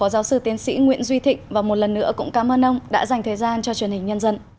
giáo sư tiến sĩ nguyễn duy thịnh và một lần nữa cũng cảm ơn ông đã dành thời gian cho truyền hình nhân dân